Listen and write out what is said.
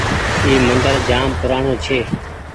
اي مندر جآم پورآڻي ڇي۔